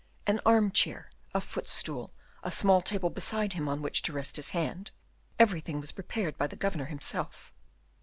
An arm chair, a footstool, a small table beside him, on which to rest his hand, everything was prepared by the governor himself.